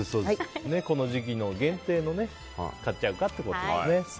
この時期の限定のを買っちゃうかってことでね。